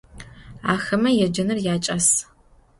Axeme yêcenır yaç'as.